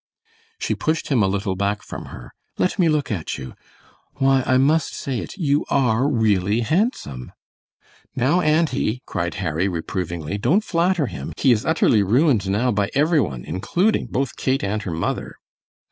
She pushed him a little back from her. "Let me look at you; why, I must say it, you are really handsome!" "Now, auntie," cried Harry, reprovingly, "don't flatter him. He is utterly ruined now by every one, including both Kate and her mother."